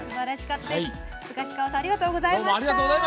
スガシカオさんありがとうございました。